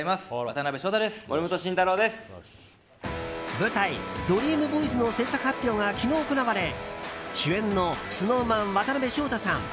舞台「ＤＲＥＡＭＢＯＹＳ」の制作発表が昨日行われ主演のＳｎｏｗＭａｎ渡辺翔太さん